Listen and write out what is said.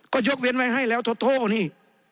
ก็ยกเว้นไว้ให้แล้วโทษนี่